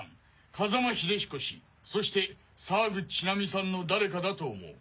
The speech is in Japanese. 風間英彦そして沢口ちなみさんの誰かだと思う。